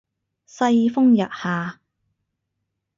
世風日下